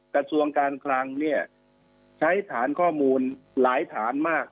กระทรวงการคลังเนี่ยใช้ฐานข้อมูลหลายฐานมาก